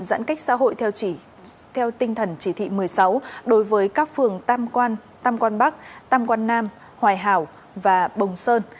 giãn cách xã hội theo tinh thần chỉ thị một mươi sáu đối với các phường tam quan bắc tam quan nam hòa hảo và bồng sơn